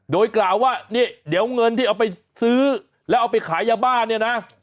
โดยกล่าวว่าเนี่ยเดี๋ยวเงินที่เอาไปซื้อแล้วเอาไปขายยาบ้านเนี่ยนะ